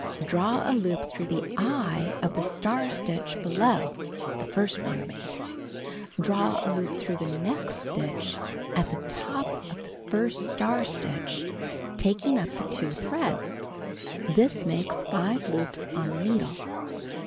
Draw a loop tlirough the "eye" of the star stitch below (the first one made) . Draw a loop through the next stitch at the top of the first star stitch, taking up the 2 threads. This makes 5 loops on the needle.